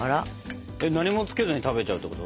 何もつけずに食べちゃうってこと？